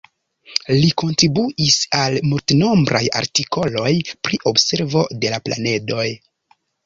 Li kontribuis al multnombraj artikoloj pri observo de la planedoj.